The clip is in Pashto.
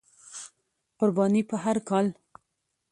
قرباني په هر کال،